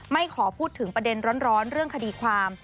ขอพูดถึงประเด็นร้อนเรื่องคดีความ